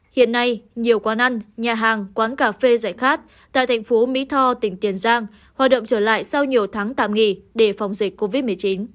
hiện nay nhiều quán ăn nhà hàng quán cà phê giải khát tại thành phố mỹ tho tỉnh tiền giang hoạt động trở lại sau nhiều tháng tạm nghỉ để phòng dịch covid một mươi chín